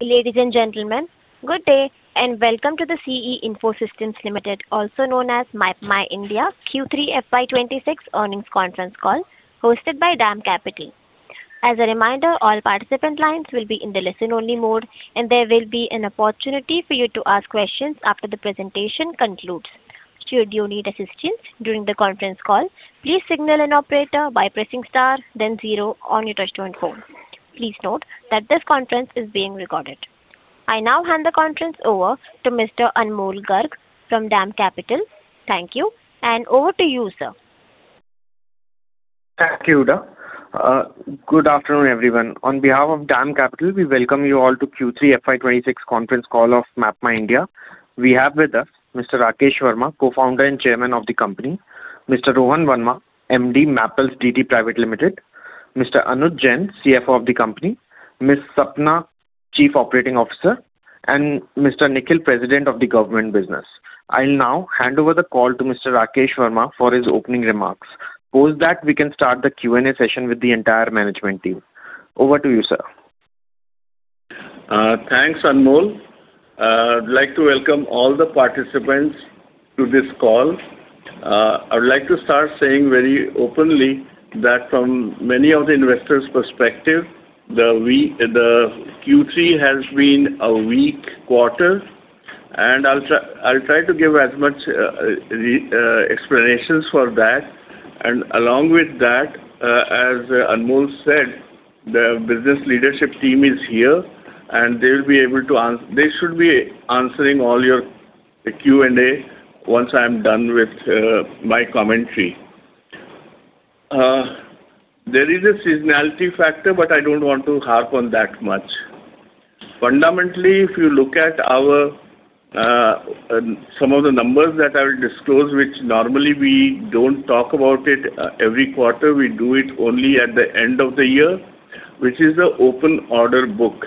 Ladies and gentlemen, good day, and welcome to the C.E. Info Systems Limited, also known as MapmyIndia, Q3 FY26 earnings conference call, hosted by DAM Capital. As a reminder, all participant lines will be in the listen-only mode, and there will be an opportunity for you to ask questions after the presentation concludes. Should you need assistance during the conference call, please signal an operator by pressing star then zero on your touchtone phone. Please note that this conference is being recorded. I now hand the conference over to Mr. Anmol Garg from DAM Capital. Thank you, and over to you, sir. Thank you, Huda. Good afternoon, everyone. On behalf of DAM Capital, we welcome you all to Q3 FY26 conference call of MapmyIndia. We have with us Mr. Rakesh Verma, Co-Founder and Chairman of the company, Mr. Rohan Verma, MD, Mappls DT Private Limited, Mr. Anuj Jain, CFO of the company, Ms. Sapna, Chief Operating Officer, and Mr. Nikhil, President of the Government Business. I'll now hand over the call to Mr. Rakesh Verma for his opening remarks. Post that, we can start the Q&A session with the entire management team. Over to you, sir. Thanks, Anmol. I'd like to welcome all the participants to this call. I would like to start saying very openly that from many of the investors' perspective, the Q3 has been a weak quarter, and I'll try, I'll try to give as much explanations for that, and along with that, as Anmol said, the business leadership team is here, and they'll be able to they should be answering all your Q&A once I'm done with my commentary. There is a seasonality factor, but I don't want to harp on that much. Fundamentally, if you look at our some of the numbers that I will disclose, which normally we don't talk about it every quarter, we do it only at the end of the year, which is the open order book.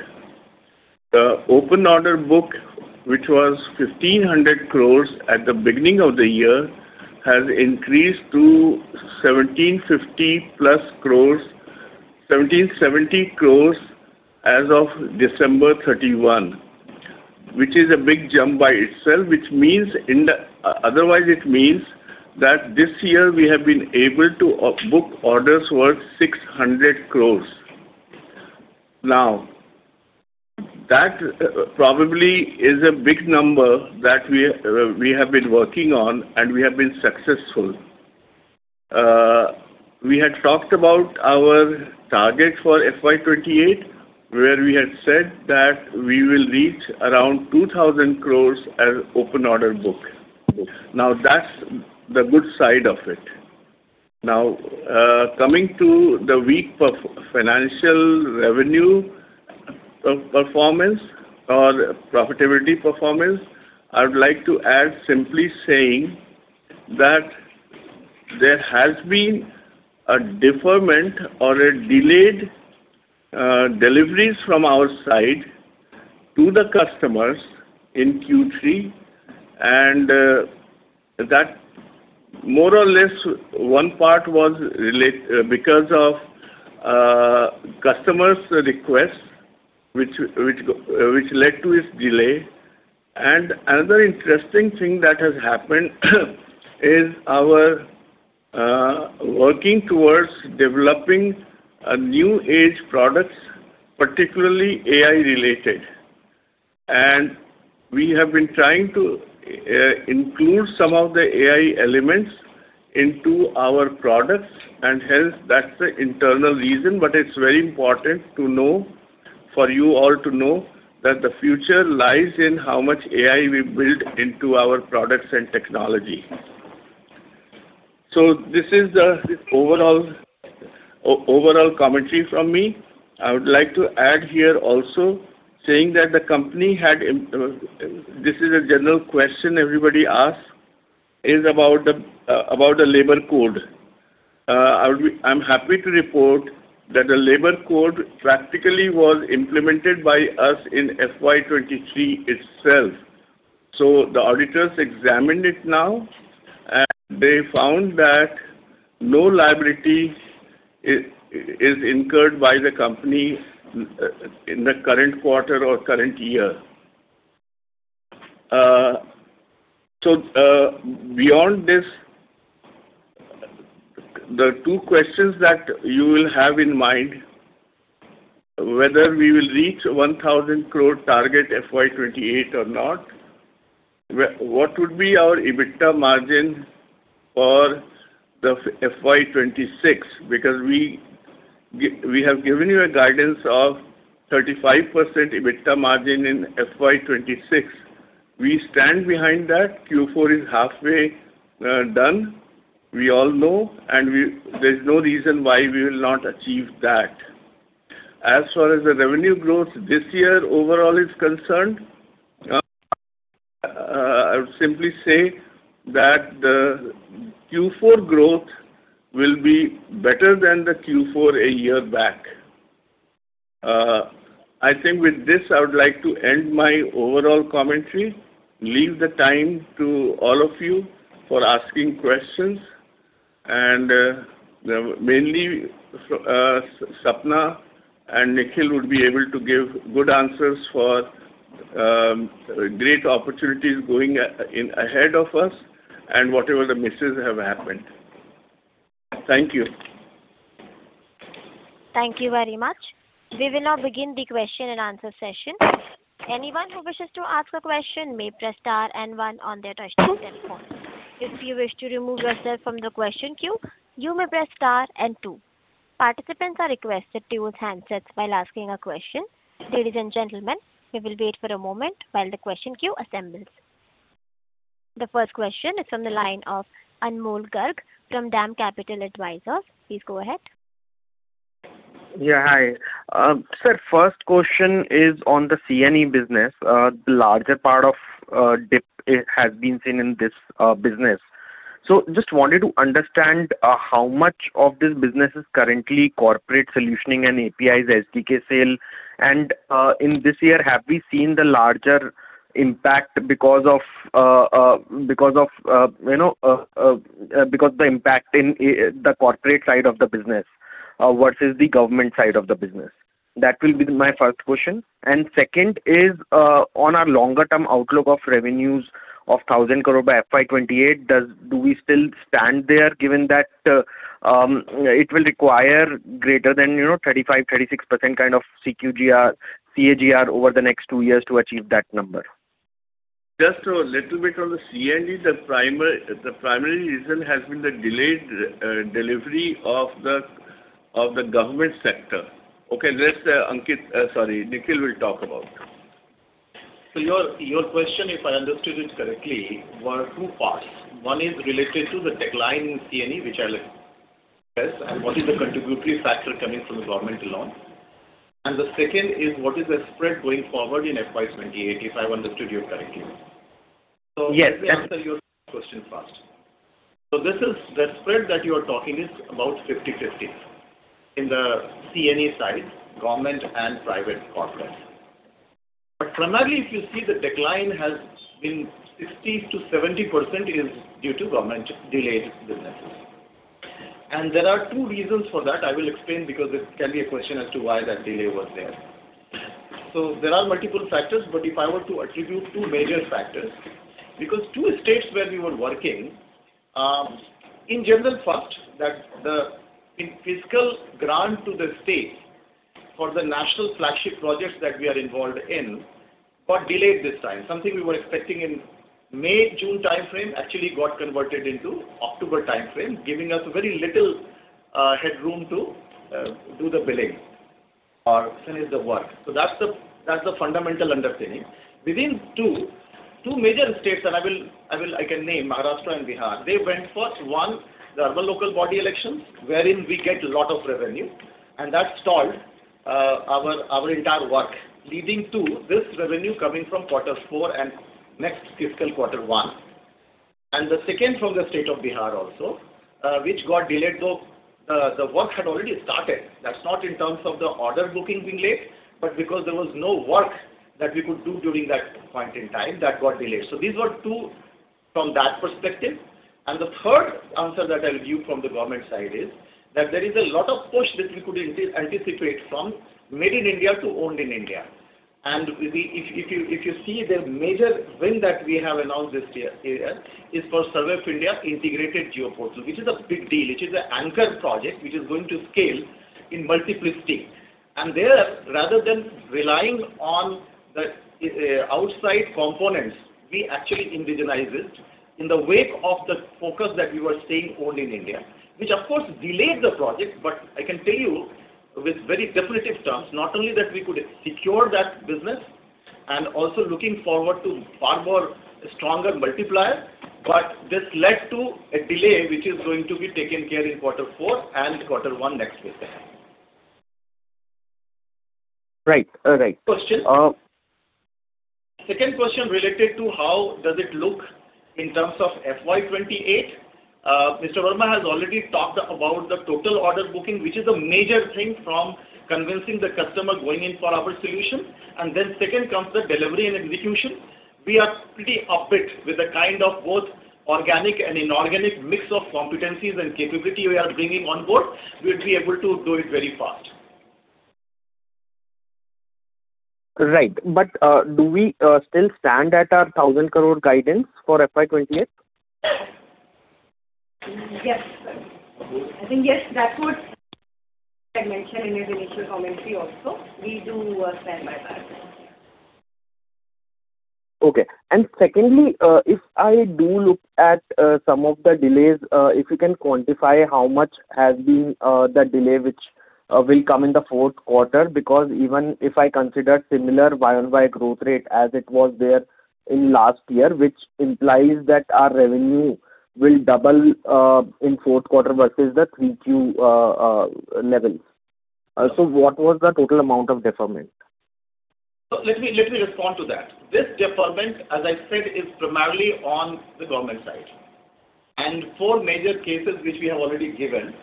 The open order book, which was 1,500 crore at the beginning of the year, has increased to 1,750+ crore, 1,770 crore as of December 31, which is a big jump by itself, which means in the... Otherwise, it means that this year we have been able to book orders worth 600 crore. Now, that probably is a big number that we, we have been working on, and we have been successful. We had talked about our target for FY 2028, where we had said that we will reach around 2,000 crore as open order book. Now, that's the good side of it. Now, coming to the weak financial revenue performance or profitability performance, I would like to add simply saying that there has been a deferment or delayed deliveries from our side to the customers in Q3, and that more or less one part was related because of customers' request, which led to its delay. And another interesting thing that has happened is our working towards developing new age products, particularly AI-related. And we have been trying to include some of the AI elements into our products, and hence that's the internal reason, but it's very important to know, for you all to know, that the future lies in how much AI we build into our products and technology. So this is the overall commentary from me. I would like to add here also, saying that this is a general question everybody asks, is about the, about theLabor Code. I'm happy to report that the Labor Code practically was implemented by us in FY 2023 itself. So the auditors examined it now, and they found that no liability is incurred by the company, in the current quarter or current year. So, beyond this, the two questions that you will have in mind, whether we will reach 1,000 crore target FY 2028 or not, what would be our EBITDA margin for the FY 2026? Because we have given you a guidance of 35% EBITDA margin in FY 2026. We stand behind that. Q4 is halfway done. We all know, and there's no reason why we will not achieve that. As far as the revenue growth this year overall is concerned, I would simply say that the Q4 growth will be better than the Q4 a year back. I think with this, I would like to end my overall commentary, leave the time to all of you for asking questions. Mainly, Sapna and Nikhil would be able to give good answers for great opportunities going in ahead of us and whatever the misses have happened. Thank you. Thank you very much. We will now begin the question and answer session. Anyone who wishes to ask a question may press star and one on their telephone. If you wish to remove yourself from the question queue, you may press star and two. Participants are requested to use handsets while asking a question. Ladies and gentlemen, we will wait for a moment while the question queue assembles. The first question is from the line of Anmol Garg from DAM Capital Advisors. Please go ahead. Yeah, hi. Sir, first question is on the C&E business. The larger part of dip has been seen in this business. So just wanted to understand, how much of this business is currently corporate solutioning and APIs, SDK sale. And, in this year, have we seen the larger impact because of the impact in the corporate side of the business versus the government side of the business? That will be my first question. And second is, on our longer-term outlook of revenues of 1,000 crore by FY 2028, do we still stand there, given that it will require greater than 35% to 36% kind of CAGR over the next two years to achieve that number? Just a little bit on the C.E., the primary reason has been the delayed delivery of the government sector. Okay, Ankit, sorry, Nikhil will talk about. So your, your question, if I understood it correctly, were two parts. One is related to the decline in C&E, which I'll address, and what is the contributory factor coming from the government loan. And the second is, what is the spread going forward in FY 28, if I understood you correctly. Yes. So let me answer your question first. So this is the spread that you are talking is about 50/50 in the C&E side, government and private corporate. But primarily, if you see the decline has been 60%to 70% is due to government delayed businesses. And there are two reasons for that. I will explain, because it can be a question as to why that delay was there. So there are multiple factors, but if I were to attribute two major factors, because two states where we were working, in general, first, that the fiscal grant to the state for the national flagship projects that we are involved in, got delayed this time. Something we were expecting in May, June timeframe actually got converted into October timeframe, giving us very little headroom to do the billing or finish the work. So that's the fundamental underpinning. Within two major states, and I can name Maharashtra and Bihar. They went first, one, the urban local body elections, wherein we get a lot of revenue, and that stalled our entire work, leading to this revenue coming from quarter four and next fiscal quarter one. And the second from the state of Bihar also, which got delayed, though the work had already started. That's not in terms of the order booking being late, but because there was no work that we could do during that point in time, that got delayed. So these were two from that perspective. And the third answer that I'll give from the government side is that there is a lot of push that we could anticipate from Made in India to Owned in India. And if you see the major win that we have announced this year, area, is for Survey of India Integrated Geoportal, which is a big deal. It is an anchor project, which is going to scale in multiple states. And there, rather than relying on the outside components, we actually indigenize it in the wake of the focus that we were saying, Owned in India, which of course, delayed the project. But I can tell you with very definitive terms, not only that we could secure that business and also looking forward to far more stronger multiplier, but this led to a delay which is going to be taken care in quarter four and quarter one next fiscal year. Right. Right. Question? Second question related to how does it look in terms of FY 2028? Mr. Verma has already talked about the total order booking, which is a major thing from convincing the customer going in for our solution. And then second comes the delivery and execution. We are pretty upbeat with the kind of both organic and inorganic mix of competencies and capability we are bringing on board. We'll be able to do it very fast. Right. But do we still stand at our 1,000 crore guidance for FY 2028? Yes. I think, yes, that's what I mentioned in his initial commentary also. We do stand by that. Okay. Secondly, if I do look at some of the delays, if you can quantify how much has been the delay which will come in the fourth quarter? Because even if I consider similar Y-on-Y growth rate as it was there in last year, which implies that our revenue will double in fourth quarter versus the 3Q levels. So what was the total amount of deferment? So let me, let me respond to that. This deferment, as I said, is primarily on the government side, and four major cases, which we have already given.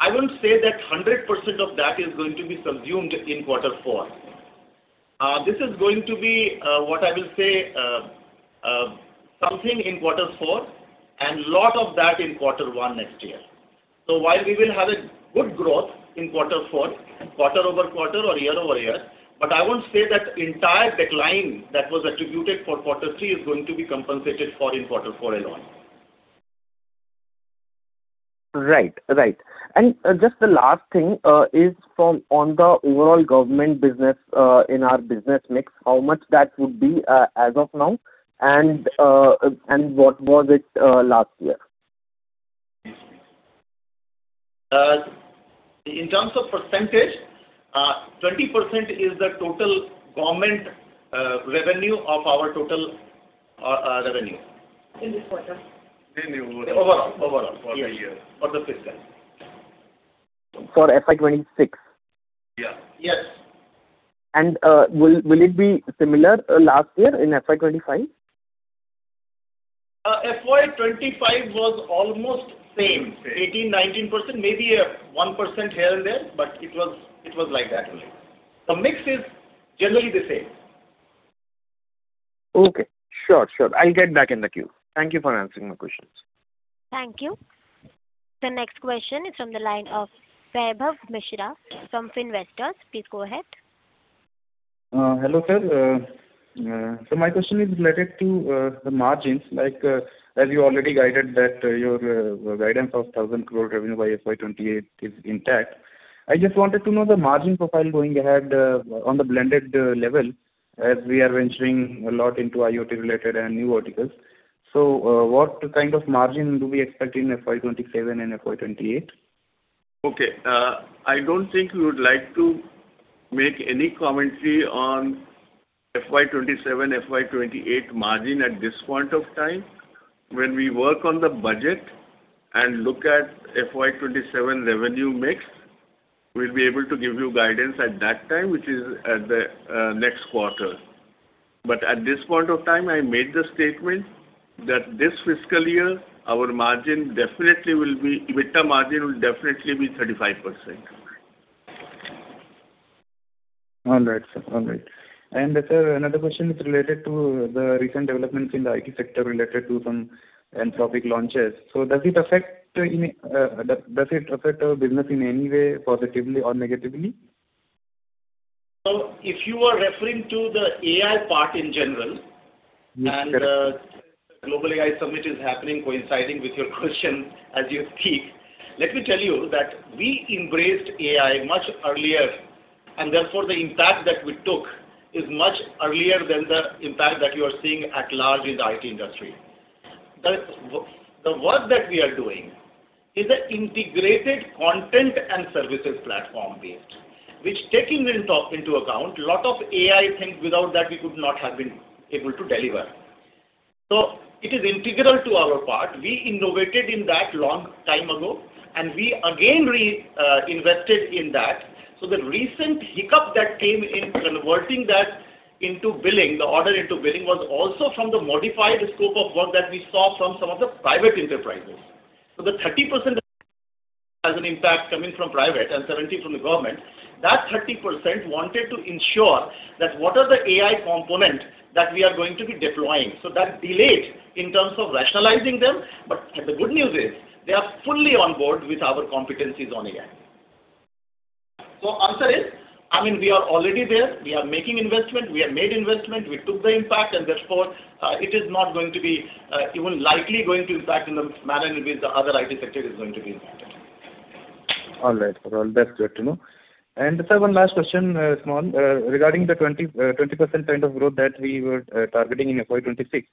I wouldn't say that 100% of that is going to be consumed in quarter four. This is going to be, what I will say, something in quarter four, and lot of that in quarter one next year. So while we will have a good growth in quarter four, quarter-over-quarter or year-over-year, but I won't say that entire decline that was attributed for quarter three is going to be compensated for in quarter four and on. Right. Right. And, just the last thing, is from on the overall Government Business, in our business mix, how much that would be, as of now, and, and what was it, last year? In terms of percentage, 20% is the total government revenue of our total revenue. In this quarter. Revenue- Overall, overall. For the year. For the fiscal. For FY26? Yeah. Yes. Will it be similar last year in FY 2025? FY 2025 was almost same. Same. 18-19%, maybe a 1% here and there, but it was, it was like that only. The mix is generally the same. Okay. Sure. Sure. I'll get back in the queue. Thank you for answering my questions. Thank you. The next question is from the line of Vaibhav Mishra from Finvesta. Please go ahead. Hello, sir. My question is related to the margins, like, as you already guided that your guidance of 1,000 crore revenue by FY 2028 is intact. I just wanted to know the margin profile going ahead on the blended level, as we are venturing a lot into IoT related and new verticals. What kind of margin do we expect in FY 2027 and FY 2028? Okay, I don't think we would like to make any commentary on FY 2027, FY 2028 margin at this point of time. When we work on the budget and look at FY 2027 revenue mix, we'll be able to give you guidance at that time, which is at the next quarter. But at this point of time, I made the statement that this fiscal year, our margin definitely will be EBITDA margin will definitely be 35%. All right, sir. All right. And sir, another question is related to the recent developments in the IT sector related to some Anthropic launches. So does it affect any, does it affect our business in any way, positively or negatively? If you are referring to the AI part in general. Yes, sir. And, global AI summit is happening, coinciding with your question as you speak, let me tell you that we embraced AI much earlier, and therefore, the impact that we took is much earlier than the impact that you are seeing at large in the IT industry. The work that we are doing is an integrated content and services platform based, which taking into account, a lot of AI things without that we could not have been able to deliver. So it is integral to our part. We innovated in that long time ago, and we again invested in that. So the recent hiccup that came in converting that into billing, the order into billing, was also from the modified scope of work that we saw from some of the private enterprises. So the 30% has an impact coming from private and 70% from the government. That 30% wanted to ensure that what are the AI component that we are going to be deploying. So that delayed in terms of rationalizing them, but the good news is they are fully on board with our competencies on AI. So answer is, I mean, we are already there, we are making investment, we have made investment, we took the impact, and therefore, it is not going to be, even likely going to impact in the manner in which the other IT sector is going to be impacted. All right. Well, that's good to know. Sir, one last question, small. Regarding the 20% kind of growth that we were targeting in FY 2026.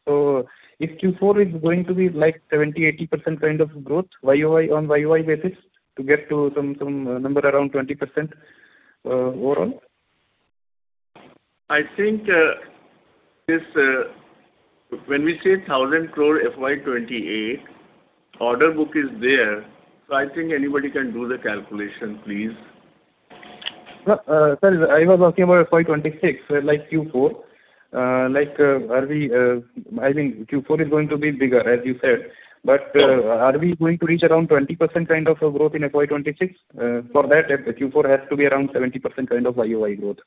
If Q4 is going to be like 70%-80% kind of growth, YOY on YOY basis, to get to some number around 20%, overall? I think, when we say 1,000 crore FY 2028, order book is there, so I think anybody can do the calculation, please. Sir, I was talking about FY 2026, like Q4. Like, are we... I think Q4 is going to be bigger, as you said, but, are we going to reach around 20% kind of a growth in FY 2026? For that, Q4 has to be around 70% kind of YOY growth.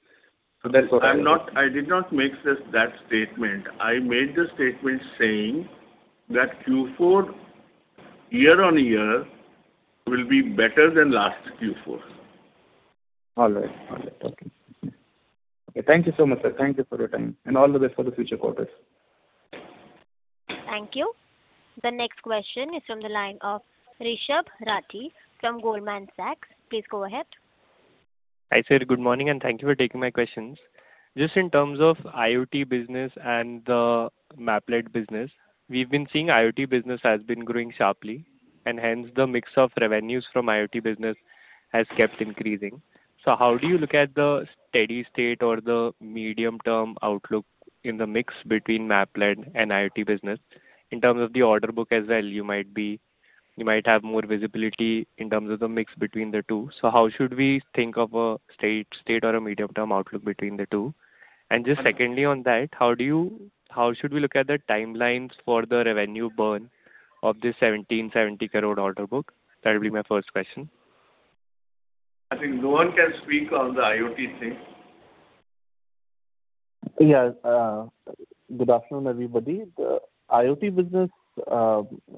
So that's what I- I'm not. I did not make that statement. I made the statement saying that Q4, year-on-year, will be better than last Q4. All right. All right, okay. Okay, thank you so much, sir. Thank you for your time, and all the best for the future quarters. Thank you. The next question is from the line of Rishabh Rathi from Goldman Sachs. Please go ahead. Hi, sir. Good morning, and thank you for taking my questions. Just in terms of IoT business and the map-led business, we've been seeing IoT business has been growing sharply, and hence the mix of revenues from IoT business has kept increasing. So how do you look at the steady state or the medium-term outlook in the mix between map-led and IoT business? In terms of the order book as well, you might have more visibility in terms of the mix between the two. So how should we think of a steady state or a medium-term outlook between the two? And just secondly on that, how should we look at the timelines for the revenue burn of the 1,770 crore order book? That will be my first question. I think Rohan can speak on the IoT thing. Yes, good afternoon, everybody. The IoT business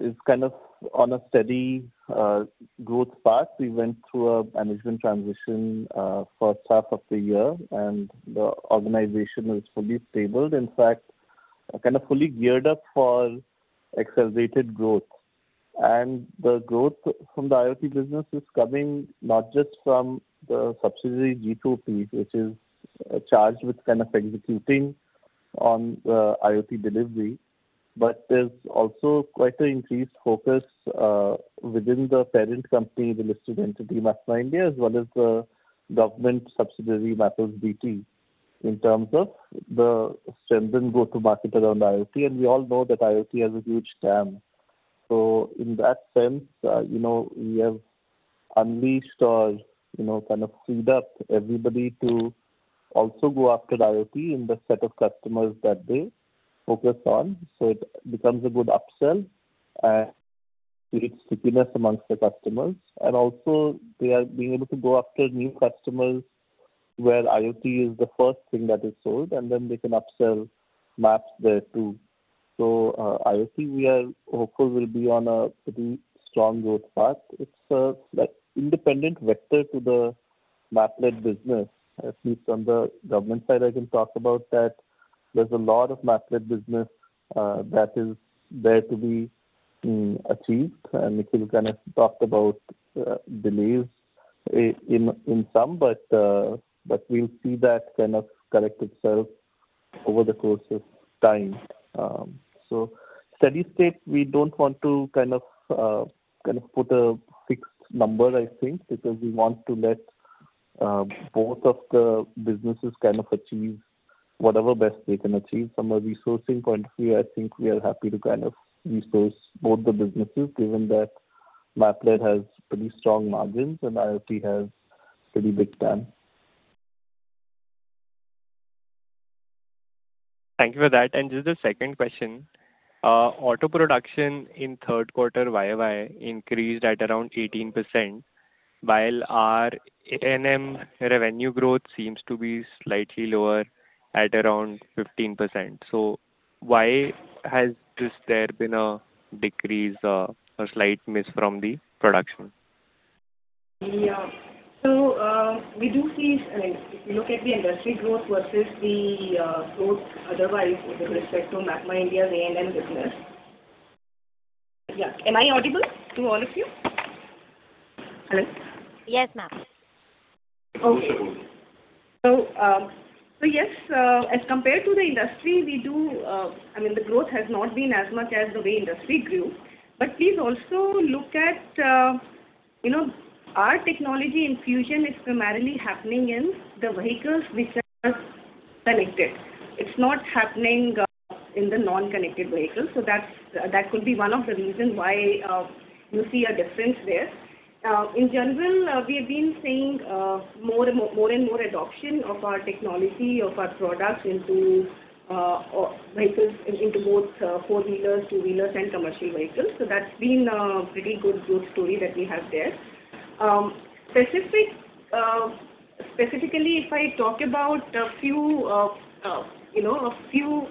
is kind of on a steady growth path. We went through a management transition first half of the year, and the organization is fully stable. In fact, kind of fully geared up for accelerated growth. And the growth from the IoT business is coming not just from the subsidiary, Gtropy, which is charged with kind of executing on the IoT delivery, but there's also quite an increased focus within the parent company, the listed entity, MapmyIndia, as well as the government subsidiary, Mappls DT, in terms of the strength and go-to-market around IoT. And we all know that IoT has a huge TAM. So in that sense, you know, we have unleashed or, you know, kind of freed up everybody to also go after IoT in the set of customers that they focus on. So it becomes a good upsell and creates stickiness among the customers. And also, we are being able to go after new customers, where IoT is the first thing that is sold, and then they can upsell maps there, too. So, IoT, we are hopeful will be on a pretty strong growth path. It's like independent vector to the map business. At least from the government side, I can talk about that. There's a lot of map business that is there to be achieved, and Nikhil kind of talked about delays in some, but we'll see that kind of correct itself over the course of time. So steady state, we don't want to kind of, kind of put a fixed number, I think, because we want to let both of the businesses kind of achieve whatever best they can achieve. From a resourcing point of view, I think we are happy to kind of resource both the businesses, given that Mappls has pretty strong margins and IoT has pretty big TAM. Thank you for that. Just a second question. Auto production in third quarter Y-o-Y increased at around 18%, while our A&M revenue growth seems to be slightly lower at around 15%. Why has just there been a decrease or a slight miss from the production? Yeah. So, we do see, I mean, if you look at the industry growth versus the, growth otherwise with respect to MapmyIndia's A&M business. Yeah. Am I audible to all of you? Hello? Yes, ma'am. Okay. So, so yes, as compared to the industry, we do, I mean, the growth has not been as much as the way industry grew. But please also look at, you know, our technology infusion is primarily happening in the vehicles which are connected. It's not happening in the non-connected vehicles, so that's that could be one of the reason why you see a difference there. In general, we have been seeing, more and more, more and more adoption of our technology, of our products into, vehicles, into both, four-wheelers, two-wheelers and commercial vehicles. So that's been a pretty good growth story that we have there. Specific, specifically, if I talk about a few of, you know, a few...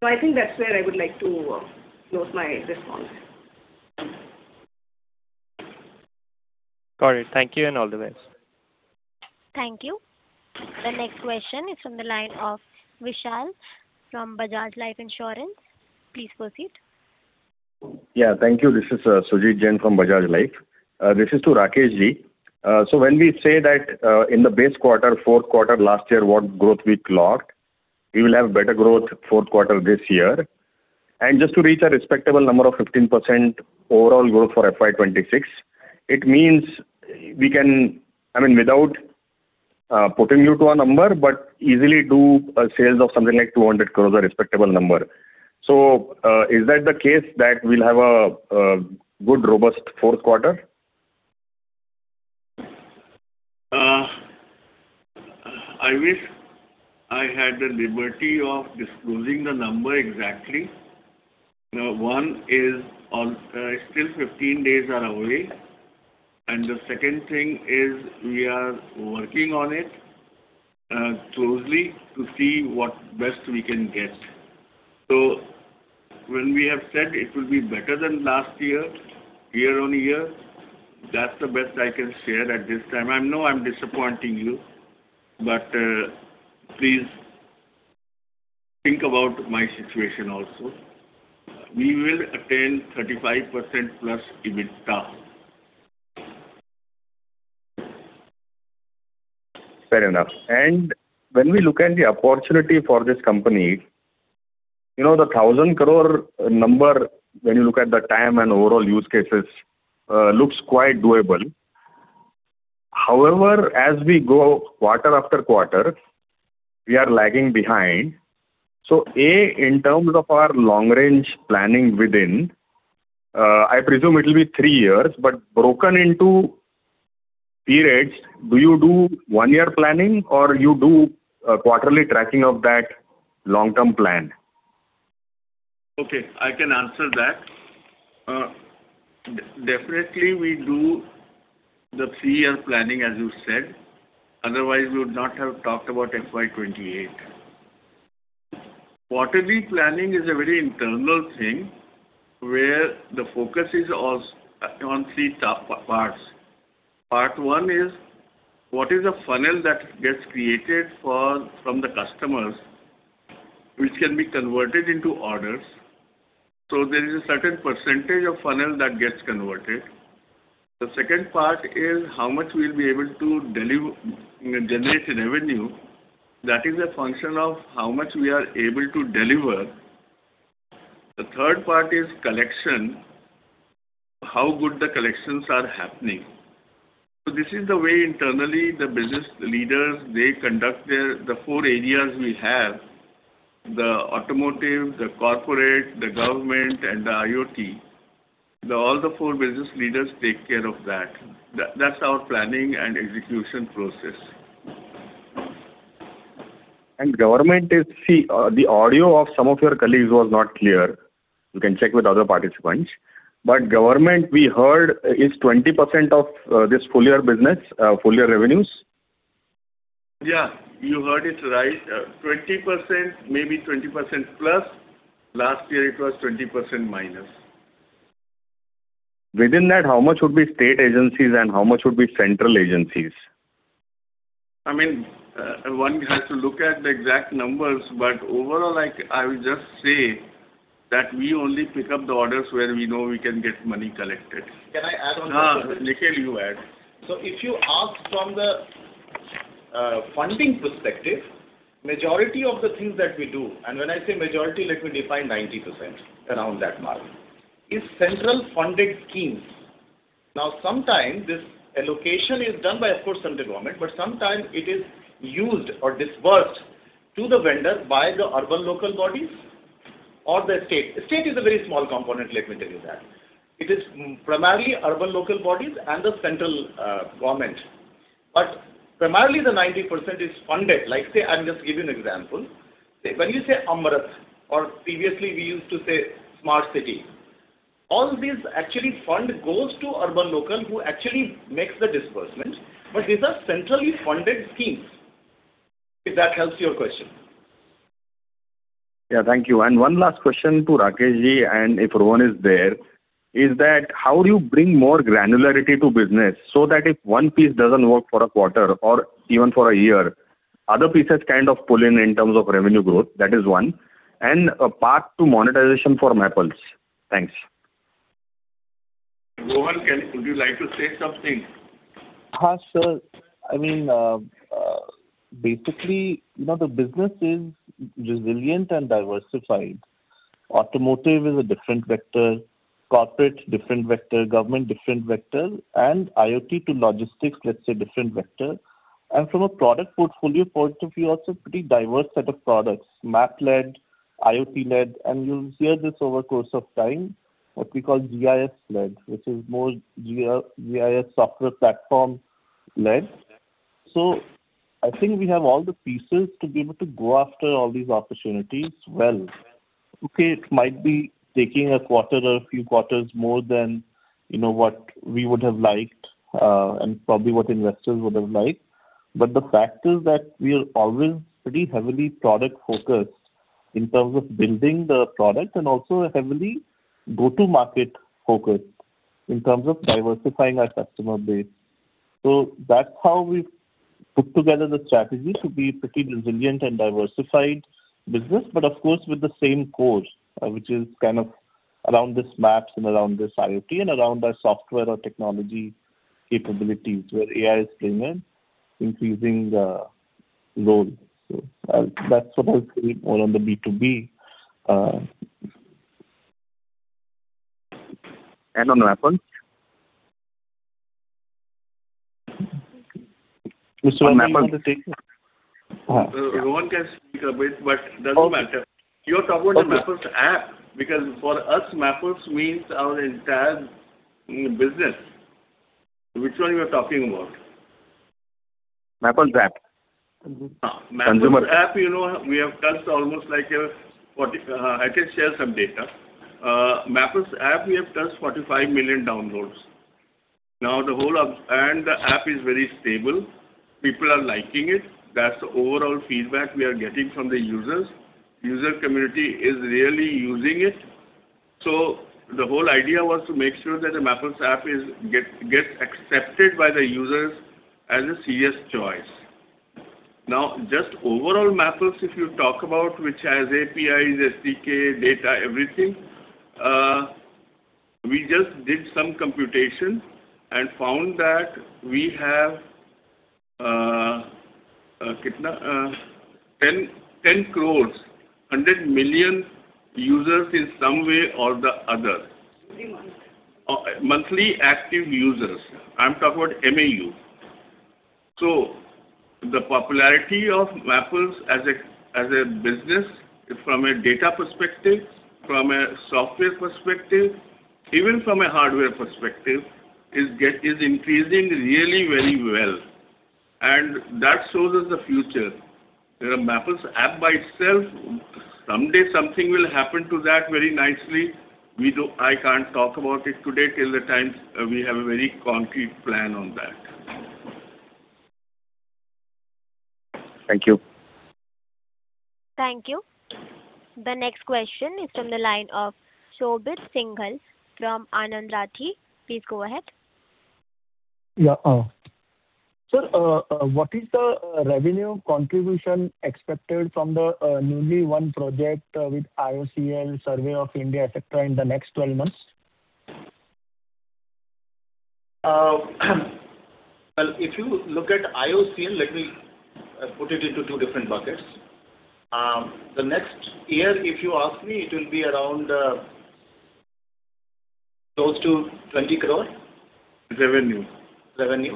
So I think that's where I would like to close my response. Got it. Thank you, and all the best. Thank you. The next question is from the line of Vishal from Bajaj Life Insurance. Please proceed. Yeah. Thank you. This is Sujit Jain from Bajaj Life. This is to Rakeshji. So when we say that in the base quarter, fourth quarter last year, what growth we clocked, we will have better growth fourth quarter this year. And just to reach a respectable number of 15% overall growth for FY 2026, it means we can... I mean, without putting you to a number, but easily do a sales of something like 200 crore, a respectable number. So is that the case that we'll have a good, robust fourth quarter? I wish I had the liberty of disclosing the number exactly. Now, one is on, still 15 days are away, and the second thing is we are working on it, closely to see what best we can get. So when we have said it will be better than last year, year on year, that's the best I can share at this time. I know I'm disappointing you, but, please think about my situation also. We will attain 35%+ EBITDA. Fair enough. And when we look at the opportunity for this company, you know, the 1,000 crore number, when you look at the TAM and overall use cases, looks quite doable. However, as we go quarter after quarter, we are lagging behind. So, A, in terms of our long-range planning within, I presume it will be three years, but broken into periods, do you do one-year planning or you do a quarterly tracking of that long-term plan? .Okay, I can answer that. Definitely, we do the three-year planning, as you said. Otherwise, we would not have talked about FY 2028. Quarterly planning is a very internal thing, where the focus is also on three top parts. Part one is, what is the funnel that gets created from the customers, which can be converted into orders? So there is a certain percentage of funnel that gets converted. The second part is, how much we'll be able to generate in revenue. That is a function of how much we are able to deliver. The third part is collection. How good the collections are happening. So this is the way internally, the business leaders, they conduct the four areas we have, the automotive, the corporate, the government, and the IoT. All the four business leaders take care of that. That, that's our planning and execution process. Government is. See, the audio of some of your colleagues was not clear. You can check with other participants. But government, we heard, is 20% of this full year business, full year revenues? Yeah, you heard it right. 20%, maybe +20%. Last year, it was -20%. Within that, how much would be state agencies and how much would be central agencies? I mean, one has to look at the exact numbers, but overall, like, I will just say that we only pick up the orders where we know we can get money collected. Can I add on to this? Nikhil, you add. So if you ask from the funding perspective, majority of the things that we do, and when I say majority, let me define 90%, around that mark, is central funded schemes. Now, sometimes this allocation is done by, of course, central government, but sometimes it is used or disbursed to the vendor by the urban local bodies or the state. The state is a very small component, let me tell you that. It is primarily urban local bodies and the central government. But primarily, the 90% is funded. Like, say, I'm just giving you an example. When you say AMRUT, or previously we used to say Smart City, all these actually fund goes to urban local, who actually makes the disbursement, but these are centrally funded schemes, if that helps your question. Yeah, thank you. And one last question to Rakeshji, and if Rohan is there, is that: how do you bring more granularity to business so that if one piece doesn't work for a quarter or even for a year, other pieces kind of pull in, in terms of revenue growth? That is one. And a path to monetization for Mappls. Thanks. Rohan, would you like to say something? Hi, sir. I mean, basically, now the business is resilient and diversified. Automotive is a different vector, corporate, different vector, government, different vector, and IoT to logistics, let's say, different vector. And from a product portfolio point of view, also pretty diverse set of products, map-led, IoT-led, and you'll hear this over the course of time, what we call GIS-led, which is more GI, GIS software platform-led. So I think we have all the pieces to be able to go after all these opportunities well. Okay, it might be taking a quarter or a few quarters more than, you know, what we would have liked, and probably what investors would have liked. But the fact is that we are always pretty heavily product-focused in terms of building the product, and also heavily go-to-market focused in terms of diversifying our customer base. So that's how we put together the strategy to be pretty resilient and diversified business, but of course, with the same course, which is kind of around this maps and around this IoT, and around our software or technology capabilities, where AI is playing an increasing role. So that's what I'll say more on the B2B, And on Mappls? Which one, Mappls? Rohan can speak a bit, but doesn't matter. You're talking about the Mappls app, because for us, Mappls means our entire business. Which one you are talking about? Mappls app. Mappls app, you know, we have touched almost like a 40... I can share some data. Mappls app, we have touched 45 million downloads. Now the app is very stable. People are liking it. That's the overall feedback we are getting from the users. User community is really using it. So the whole idea was to make sure that the Mappls app gets accepted by the users as a serious choice. Now, just overall Mappls, if you talk about, which has APIs, SDK, data, everything, we just did some computation and found that we have 10 crore, 100 million users in some way or the other. Monthly. Monthly active users. I'm talking about MAU. So the popularity of Mappls as a, as a business from a data perspective, from a software perspective, even from a hardware perspective, is increasing really very well. That shows us the future. The Mappls app by itself, someday something will happen to that very nicely. I can't talk about it today till the time we have a very concrete plan on that. Thank you. Thank you. The next question is from the line of Shobit Singhal from Anand Rathi. Please go ahead. Yeah, sir, what is the revenue contribution expected from the newly won project with IOCL, Survey of India, et cetera, in the next 12 months? Well, if you look at IOCL, let me put it into two different buckets. The next year, if you ask me, it will be around, close to 20 crore. Revenue. Revenue.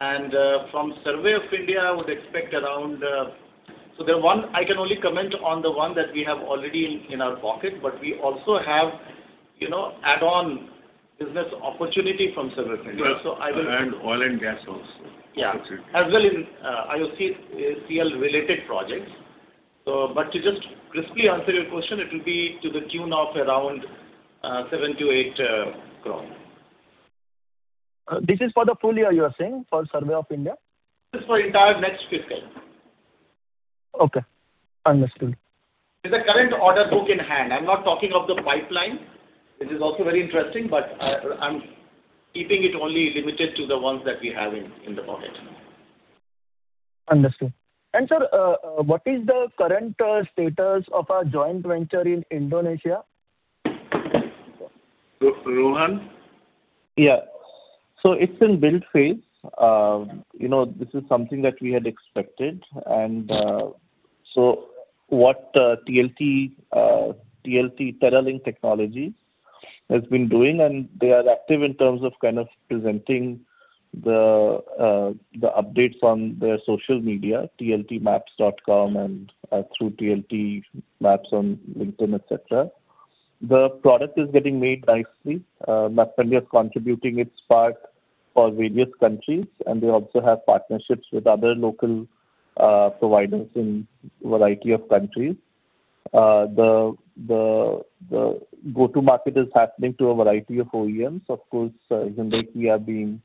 And from Survey of India, I would expect around. So the one, I can only comment on the one that we have already in our pocket, but we also have, you know, add-on business opportunity from Survey of India. Right. So I will. Oil and gas also. Okay. As well as IOCL-related projects. So but to just briefly answer your question, it will be to the tune of around 7 crore to 8 crore. This is for the full year, you are saying, for Survey of India? This is for entire next fiscal. Okay, understood. It's the current order book in hand. I'm not talking of the pipeline, which is also very interesting, but I'm keeping it only limited to the ones that we have in the pocket. Understood. Sir, what is the current status of our joint venture in Indonesia? Rohan? Yeah. So it's in build phase. You know, this is something that we had expected. And, so what, TLT, TLT, TerraLink Technologies, has been doing, and they are active in terms of kind of presenting the, the updates on their social media, tltmaps.com and, through TLT Maps on LinkedIn, et cetera. The product is getting made nicely. MapmyIndia is contributing its part for various countries, and they also have partnerships with other local, providers in a variety of countries. The, the, the go-to-market is happening to a variety of OEMs, of course, Hyundai Kia being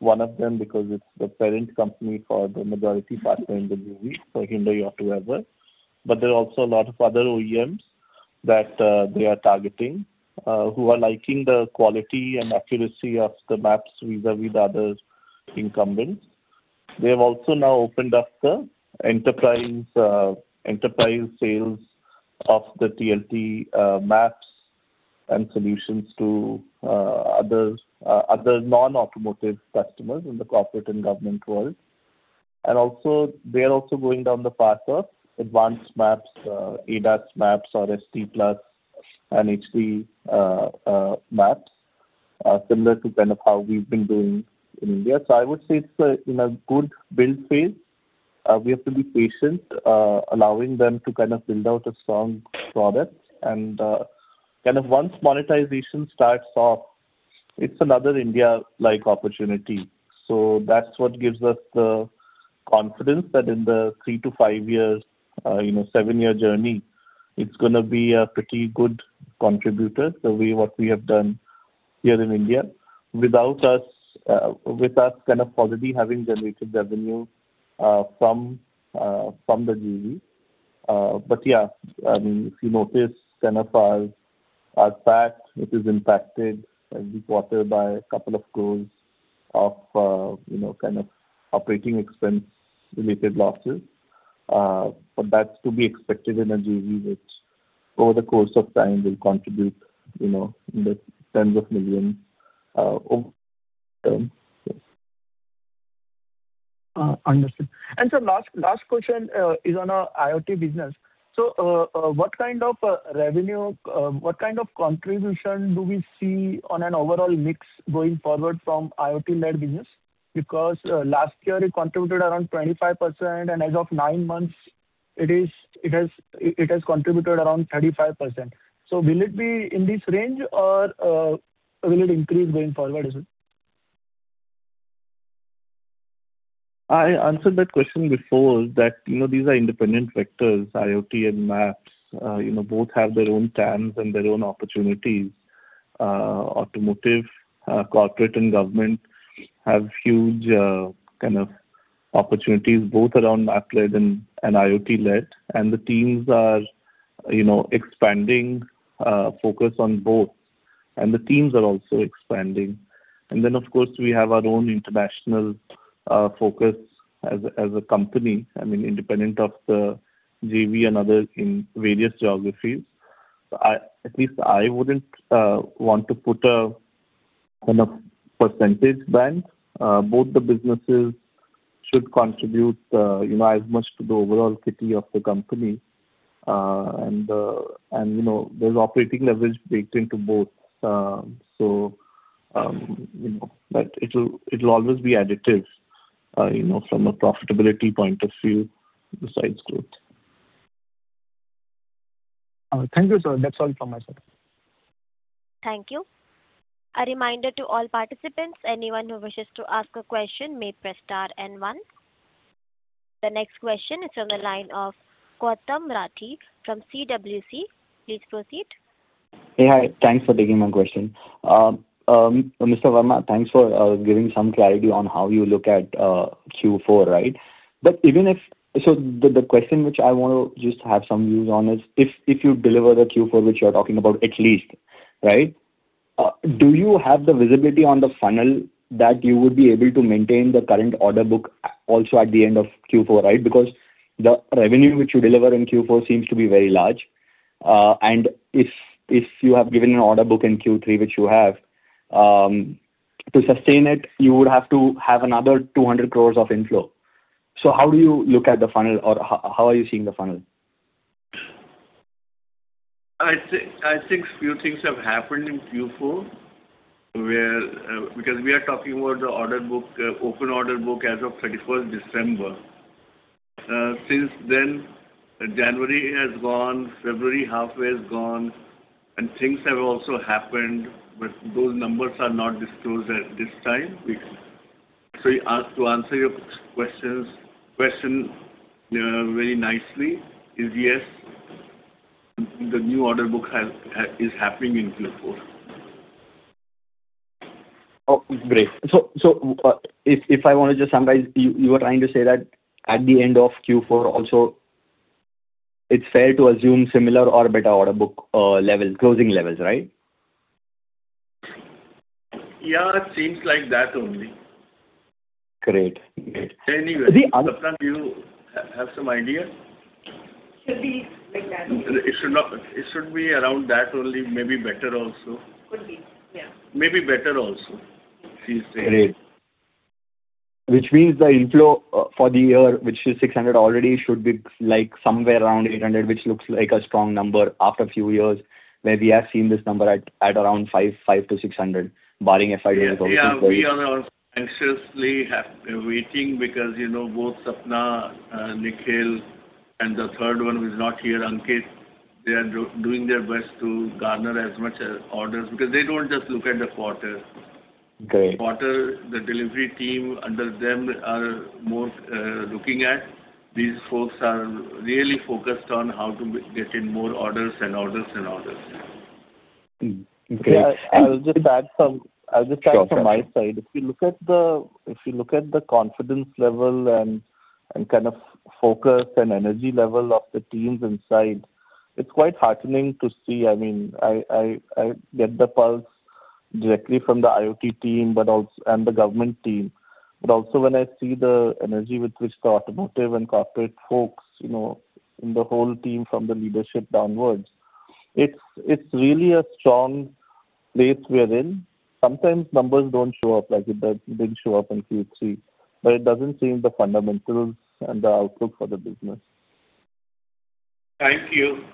one of them, because it's the parent company for the majority partner in the JV, for Hyundai AutoEver. But there are also a lot of other OEMs that, they are targeting, who are liking the quality and accuracy of the maps vis-a-vis the other incumbents. They have also now opened up the enterprise sales of the TLT maps and solutions to other non-automotive customers in the corporate and government world. And also, they are also going down the path of advanced maps, ADAS maps, RST+ and HD maps, similar to kind of how we've been doing in India. So I would say it's in a good build phase. We have to be patient, allowing them to kind of build out a strong product. And, kind of once monetization starts off, it's another India-like opportunity. So that's what gives us the confidence that in the three to five years, you know, seven-year journey, it's gonna be a pretty good contributor. The way what we have done here in India, without us, with us kind of already having generated revenue, from, from the JV. But, yeah, I mean, if you notice, kind of our P&L, it is impacted every quarter by a couple of crores of, you know, kind of operating expense-related losses, but that's to be expected in a JV, which over the course of time, will contribute, you know, in the tens of INR millions, over time. Understood. Sir, last question is on our IoT business. What kind of revenue, what kind of contribution do we see on an overall mix going forward from IoT-led business? Because last year, it contributed around 25%, and as of nine months, it has contributed around 35%. Will it be in this range, or will it increase going forward as well? I answered that question before, that, you know, these are independent vectors, IoT and maps. You know, both have their own TAMs and their own opportunities. Automotive, corporate, and government have huge, kind of opportunities, both around map-led and IoT-led. And the teams are, you know, expanding focus on both, and the teams are also expanding. And then, of course, we have our own international focus as a company, I mean, independent of the JV and other in various geographies. So, at least I wouldn't want to put a kind of percentage band. Both the businesses should contribute, you know, as much to the overall kitty of the company. And, you know, there's operating leverage baked into both. So, you know, but it'll, it'll always be additive, you know, from a profitability point of view, besides growth. Thank you, sir. That's all from my side. Thank you. A reminder to all participants, anyone who wishes to ask a question may press star and one. The next question is from the line of Gautam Rathi from CWC. Please proceed. Hey, hi. Thanks for taking my question. Mr. Verma, thanks for giving some clarity on how you look at Q4, right? But even if—so the question which I want to just have some views on is, if you deliver the Q4, which you're talking about, at least, right, do you have the visibility on the funnel that you would be able to maintain the current order book also at the end of Q4, right? Because the revenue which you deliver in Q4 seems to be very large. And if you have given an order book in Q3, which you have, to sustain it, you would have to have another 200 crore of inflow. So how do you look at the funnel or how are you seeing the funnel? I think few things have happened in Q4, where because we are talking about the order book, open order book as of thirty-first December. Since then, January has gone, February halfway is gone, and things have also happened, but those numbers are not disclosed at this time. So to answer your questions, question very nicely is, yes, the new order book has is happening in Q4. Oh, great. So, if I want to just summarize, you were trying to say that at the end of Q4 also, it's fair to assume similar or better order book levels, closing levels, right? Yeah, it seems like that only. Great. Great. Anyway, Sapna, do you have some idea? Should be like that. It should be around that only, maybe better also. Could be, yeah. Maybe better also, she's saying. Great. Which means the inflow for the year, which is 600 already, should be like somewhere around 800, which looks like a strong number after a few years, where we have seen this number at around 550-600, barring FY 20. Yeah, we are also anxiously waiting, because, you know, both Sapna, Nikhil, and the third one, who is not here, Ankit, they are doing their best to garner as much as orders, because they don't just look at the quarter. Great. Quarter, the delivery team under them are more looking at. These folks are really focused on how to get in more orders and orders and orders. Okay. I will just add some. I'll just add from my side. If you look at the confidence level and kind of focus and energy level of the teams inside, it's quite heartening to see. I mean, I get the pulse directly from the IoT team, but also the government team. But also when I see the energy with which the automotive and corporate folks, you know, in the whole team, from the leadership downwards, it's really a strong place we are in. Sometimes numbers don't show up, like it didn't show up in Q3, but it doesn't change the fundamentals and the outlook for the business. Thank you.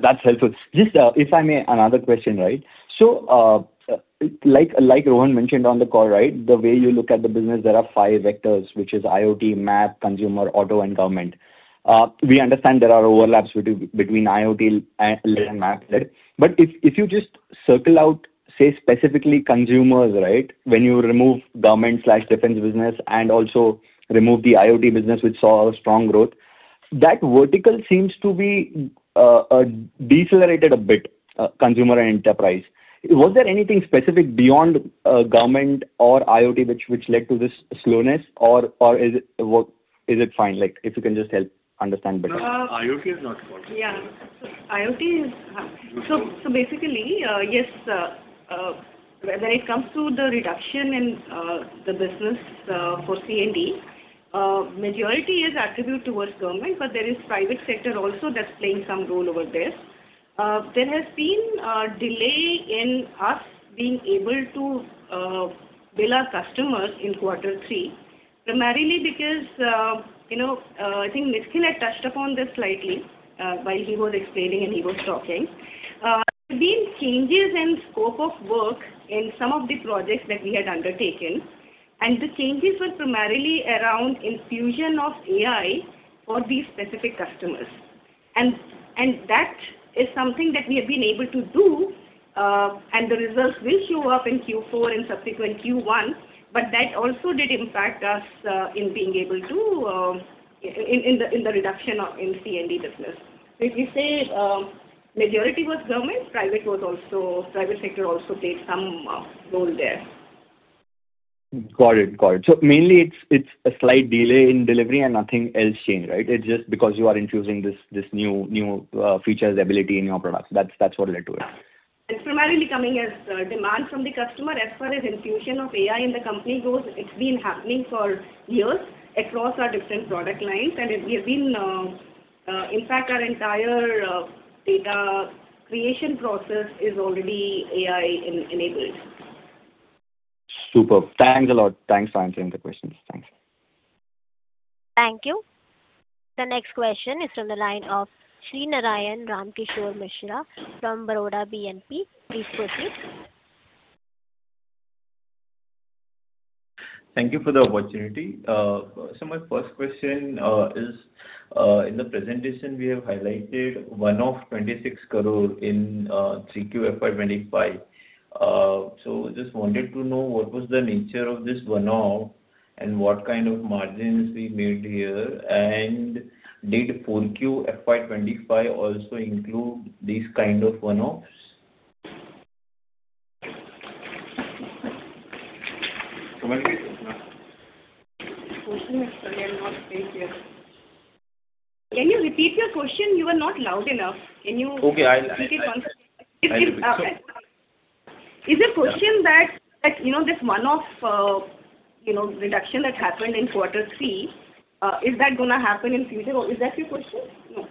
That's helpful. Just, if I may, another question, right. So, like, like Rohan mentioned on the call, right, the way you look at the business, there are five vectors, which is IoT, MAP, consumer, auto, and government. We understand there are overlaps between IoT and MAP. But if you just circle out, say, specifically consumers, right? When you remove government/defense business and also remove the IoT business, which saw a strong growth, that vertical seems to be decelerated a bit, consumer and enterprise. Was there anything specific beyond government or IoT, which led to this slowness, or is it fine? Like, if you can just help understand better. IoT is not important. Yeah. IoT is. So basically, yes, when it comes to the reduction in the business for C&E, majority is attributed towards government, but there is private sector also that's playing some role over there. There has been a delay in us being able to bill our customers in quarter three, primarily because, you know, I think Nikhil had touched upon this slightly while he was explaining and he was talking. There's been changes in scope of work in some of the projects that we had undertaken, and the changes were primarily around infusion of AI for these specific customers. That is something that we have been able to do, and the results will show up in Q4 and subsequent Q1, but that also did impact us in being able to in the reduction in C&E business. If you say, majority was government, private was also. Private sector also played some role there. Got it. Got it. So mainly it's, it's a slight delay in delivery and nothing else changed, right? It's just because you are introducing this, this new, new features ability in your products. That's, that's what led to it. It's primarily coming as demand from the customer. As far as infusion of AI in the company goes, it's been happening for years across our different product lines, and it has been. In fact, our entire data creation process is already AI-enabled. Superb. Thanks a lot. Thanks for answering the questions. Thanks. Thank you. The next question is from the line of Sri Narayan Ramkishore Mishra from Baroda BNP. Please proceed. Thank you for the opportunity. So my first question is, in the presentation, we have highlighted one-off of 26 crore in Q3 FY 2025. So just wanted to know what was the nature of this one-off and what kind of margins we made here, and did 4Q FY 2025 also include these kind of one-offs? Can you repeat your question? You were not loud enough. Can you- Okay, I. Repeat it once. Is the question that you know, this one-off, you know, reduction that happened in quarter three, is that gonna happen in future? Is that your question? No.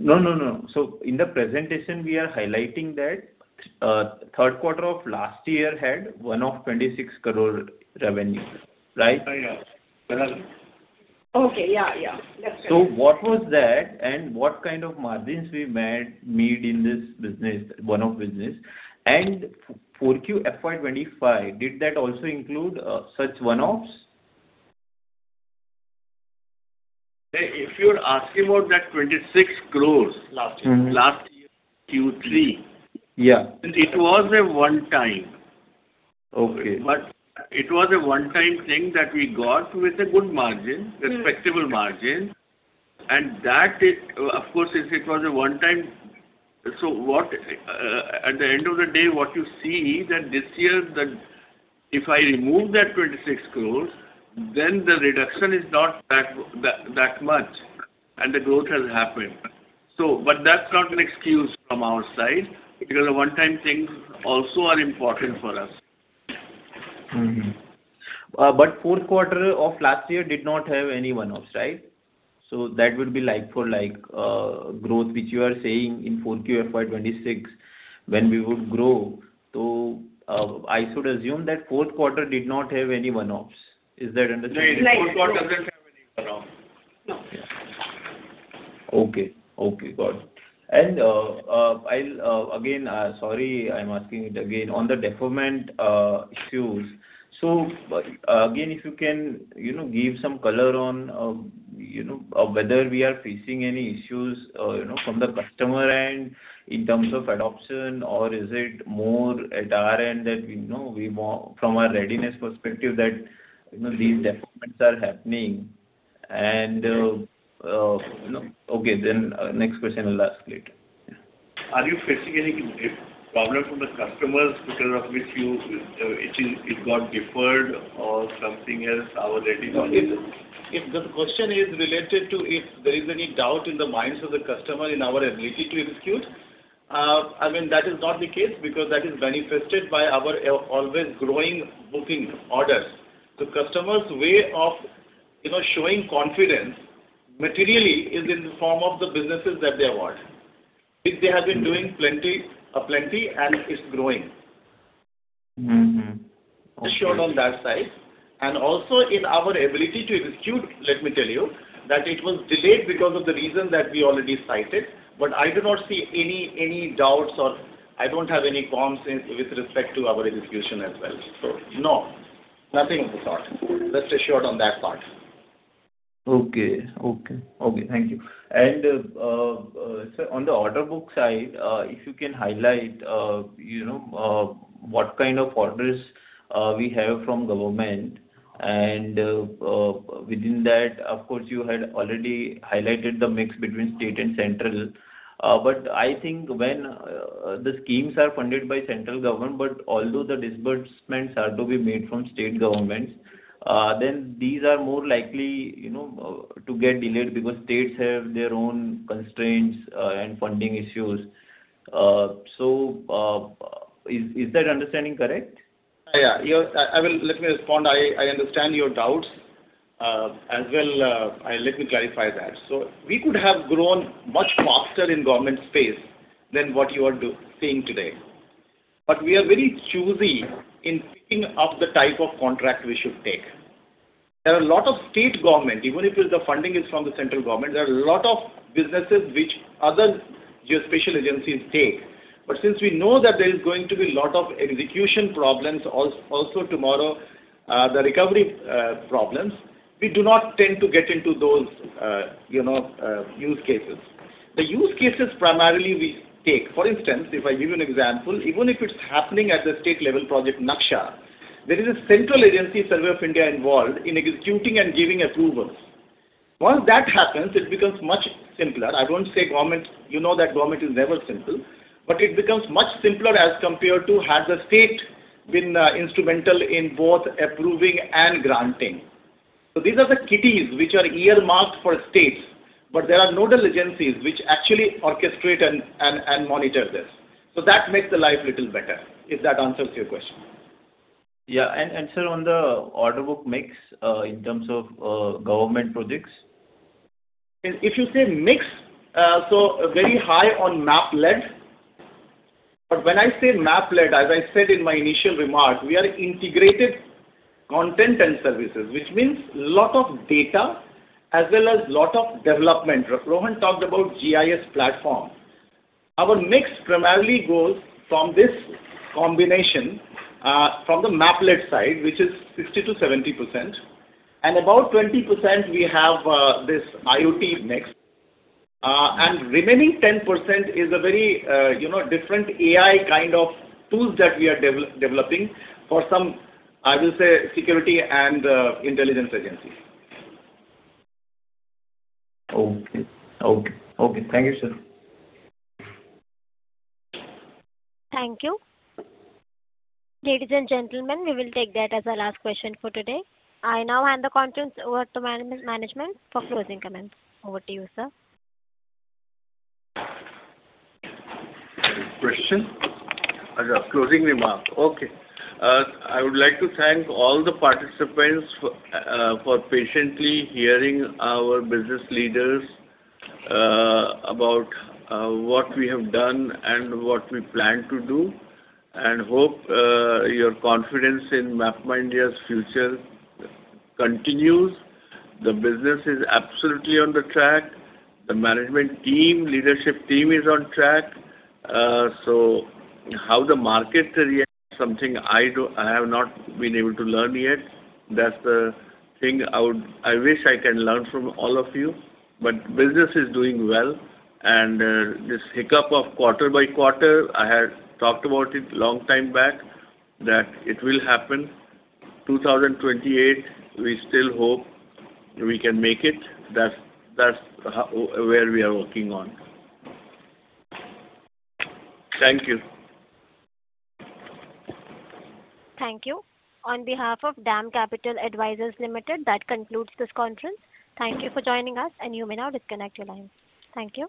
No, no, no. So in the presentation, we are highlighting that, third quarter of last year had 102.6 crore revenue, right? Okay. Yeah, yeah. That's right. So what was that, and what kind of margins we made in this business, one-off business? And 4Q FY25, did that also include such one-offs? If you're asking about that 26 crore. Last year. Last year, Q3. It was a one time. Okay. But it was a one-time thing that we got with a good margin, respectable margin, and that is. Of course, if it was a one-time, so what, at the end of the day, what you see is that this year, if I remove that 26 crore, then the reduction is not that much, and the growth has happened. But that's not an excuse from our side, because the one-time things also are important for us. But fourth quarter of last year did not have any one-offs, right? So that would be like for like, growth, which you are saying in 4Q FY26, when we would grow. So, I should assume that fourth quarter did not have any one-offs. Is that understanding? No, the fourth quarter doesn't have any one-off. No. Okay. Okay, got it. And, I'll again, sorry, I'm asking it again. On the deferment issues, so, again, if you can, you know, give some color on, you know, whether we are facing any issues, you know, from the customer end in terms of adoption, or is it more at our end that, you know, we more from a readiness perspective that, you know, these deferments are happening? And, you know... Okay, then, next question I'll ask later. Are you facing any different problem from the customers because of which you, it is, it got deferred or something else, our readiness? If the question is related to if there is any doubt in the minds of the customer in our ability to execute, I mean, that is not the case, because that is manifested by our always growing booking orders. The customer's way of, you know, showing confidence materially is in the form of the businesses that they award. Which they have been doing plenty, plenty, and it's growing. Rest assured on that side. Also in our ability to execute, let me tell you, that it was delayed because of the reason that we already cited. I do not see any doubts or I don't have any concerns with respect to our execution as well. No, nothing of the sort. Rest assured on that part. Okay. Okay. Okay, thank you. And so on the order book side, if you can highlight, you know, what kind of orders we have from government and, within that, of course, you had already highlighted the mix between state and central. But I think when the schemes are funded by central government, but although the disbursements are to be made from state governments, then these are more likely, you know, to get delayed, because states have their own constraints and funding issues. So, is that understanding correct? Yeah, yeah. I will—let me respond. I understand your doubts as well. Let me clarify that. So we could have grown much faster in government space than what you are seeing today. But we are very choosy in picking up the type of contract we should take. There are a lot of state government, even if the funding is from the central government, there are a lot of businesses which other geospatial agencies take. But since we know that there is going to be a lot of execution problems also tomorrow, the recovery problems, we do not tend to get into those, you know, use cases. The use cases primarily we take, for instance, if I give you an example, even if it's happening at the state level, Project Naksha, there is a central agency, Survey of India, involved in executing and giving approvals. Once that happens, it becomes much simpler. I don't say government, you know that government is never simple, but it becomes much simpler as compared to had the state been instrumental in both approving and granting. So these are the kitties which are earmarked for states, but there are no diligencies which actually orchestrate and, and, and monitor this. So that makes the life little better, if that answers your question. Yeah. Sir, on the order book mix, in terms of government projects? If you say mix, so very high on map-led. But when I say map-led, as I said in my initial remarks, we are integrated content and services, which means a lot of data as well as lot of development. Rohan talked about GIS platform. Our mix primarily goes from this combination, from the map-led side, which is 60% to 70%, and about 20% we have this IoT mix. And remaining 10% is a very, you know, different AI kind of tools that we are developing for some, I will say, security and intelligence agencies. Okay. Okay. Okay. Thank you, sir. Thank you. Ladies and gentlemen, we will take that as our last question for today. I now hand the conference over to management, management for closing comments. Over to you, sir. Question? Closing remark. Okay. I would like to thank all the participants for for patiently hearing our business leaders about what we have done and what we plan to do, and hope your confidence in MapmyIndia's future continues. The business is absolutely on the track. The management team, leadership team is on track. So how the market reacts, something I do I have not been able to learn yet. That's the thing I would I wish I can learn from all of you, but business is doing well, and this hiccup of quarter by quarter, I had talked about it long time back, that it will happen. 2028, we still hope we can make it. That's, that's how, where we are working on. Thank you. Thank you. On behalf of DAM Capital Advisors Limited, that concludes this conference. Thank you for joining us, and you may now disconnect your line. Thank you.